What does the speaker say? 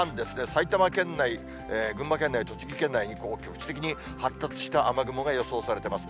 埼玉県内、群馬県内、栃木県内に、局地的に発達した雨雲が予想されてます。